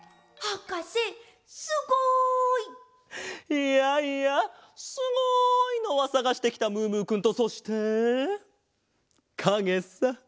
いやいやすごいのはさがしてきたムームーくんとそしてかげさ。